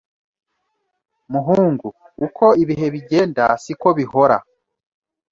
Muhungu, uko ibihe bigenda .siko bihora..